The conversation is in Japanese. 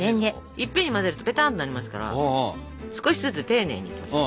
いっぺんに混ぜるとぺたんとなりますから少しずつ丁寧にいきましょう。